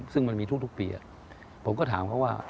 ซึ่งมันมีทุกปีผมก็ถามเขาว่า